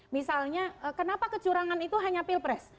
misalnya kenapa kecurangan itu hanya pilpres